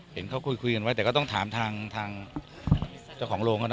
เห็นเขาคุยกันไว้แต่ก็ต้องถามทางเจ้าของโรงเขานะ